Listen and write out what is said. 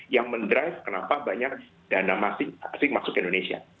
yang mendrive kenapa banyak dana asing masuk ke indonesia